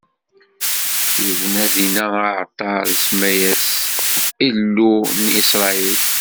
Ibna dinna aɛalṭar, isemma-as Il, Illu n Isṛayil.